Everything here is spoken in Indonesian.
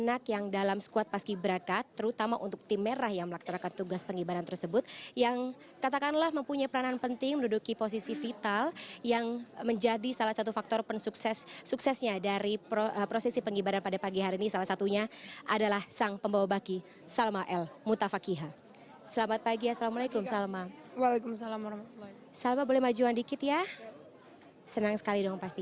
alhamdulillah kak alhamdulillah terbayar